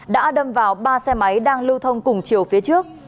đã đâm vào ba xe máy đang lưu thông cùng chiều phía trước